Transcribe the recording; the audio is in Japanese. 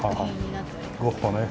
ゴッホね。